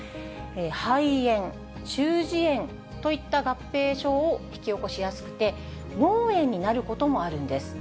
肺炎、中耳炎といった合併症を引き起こしやすくて、脳炎になることもあるんです。